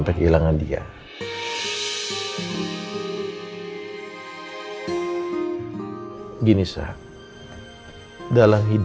terima kasih banyak banyak